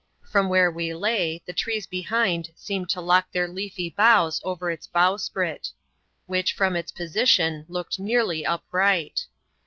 From where we lay, the trees behind seemed to lock their leafy boughs over its bowsprit ; which, from its position, looked nearly upright.